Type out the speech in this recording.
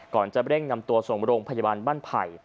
ก่อนจะเร่งนำตัวส่งโรงพยาบาลบ้านไผ่